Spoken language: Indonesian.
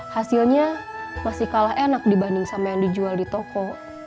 hasilnya masih kalah enak dibanding sama yang dijual di toko